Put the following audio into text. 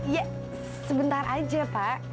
ya sebentar aja pak